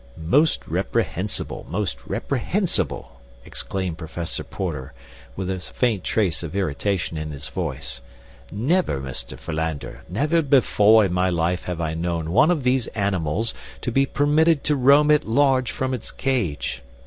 "Most reprehensible, most reprehensible," exclaimed Professor Porter, with a faint trace of irritation in his voice. "Never, Mr. Philander, never before in my life have I known one of these animals to be permitted to roam at large from its cage.